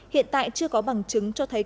hiện tại chưa có bằng chứng cho thấy